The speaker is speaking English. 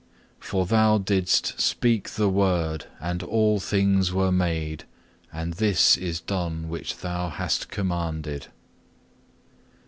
For Thou didst speak the word, and all things were made; and this is done which Thou hast commanded.